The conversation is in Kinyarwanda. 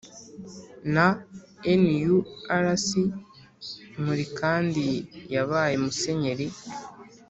Na nurc muri kandi yabaye musenyeri